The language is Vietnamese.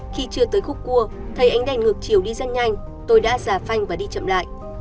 khi chưa tới khúc cua thấy anh đành ngược triều đi rất nhanh tôi đã giả phanh và đi chậm lại